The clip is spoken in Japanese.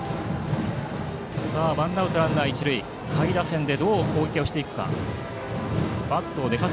ワンアウトランナー、一塁下位打線でどう攻撃していくか。